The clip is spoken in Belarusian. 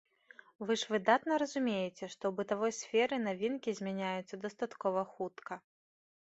Вы ж выдатна разумееце, што ў бытавой сферы навінкі змяняюцца дастаткова хутка.